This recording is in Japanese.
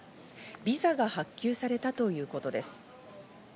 ビザが発給されたということです。